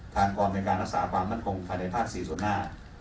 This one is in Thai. ทางกรรมการอาสาผ่ามันคงผ่านในภาคศจรรย์ส่วนหน้า